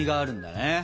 ね